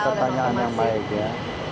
ya ya pertanyaan yang baik ya